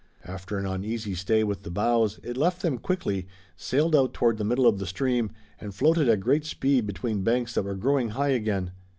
After an uneasy stay with the boughs, it left them quickly, sailed out toward the middle of the stream, and floated at great speed between banks that were growing high again.